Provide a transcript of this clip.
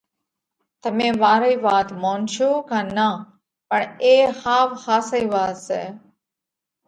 تمي مارئي وات مونشو ڪا نان پڻ اي ۿاوَ ۿاسئي وات سئہ